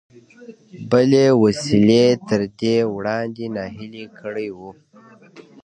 بلې وسيلې تر دې وړاندې ناهيلی کړی و.